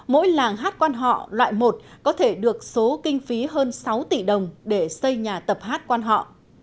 mỗi làng hát quan họ loại một có thể được số kinh phí hơn sáu tỷ đồng để xây nhà tập hát quan họ